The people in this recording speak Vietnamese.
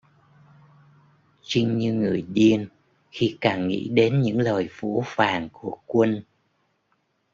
Chinh như người điên khi càng nghĩ đến những lời phũ phàng của quân